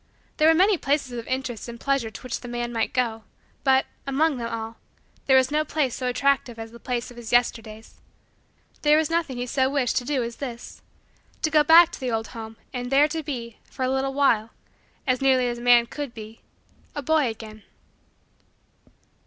There were many places of interest and pleasure to which the man might go, but, among them all, there was no place so attractive as the place of his Yesterdays. There was nothing he so wished to do as this: to go back to the old home and there to be, for a little while, as nearly as a man could be, a boy again.